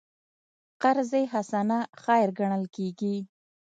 قرض حسنه خیر ګڼل کېږي.